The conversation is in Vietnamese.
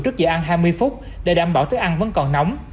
trước giờ ăn hai mươi phút để đảm bảo thức ăn vẫn còn nóng